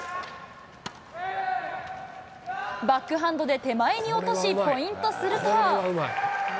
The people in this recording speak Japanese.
バックハンドで手前に落とし、ポイントすると。